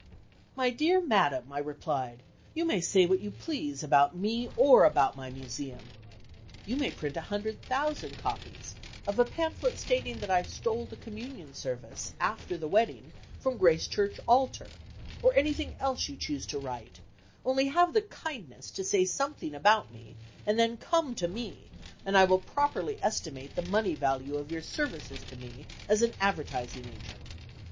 "My dear madam," I replied, "you may say what you please about me or about my Museum; you may print a hundred thousand copies of a pamphlet stating that I stole the communion service, after the wedding from Grace Church altar, or anything else you choose to write; only have the kindness to say something about me, and then come to me and I will properly estimate the money value of your services to me as an advertising agent.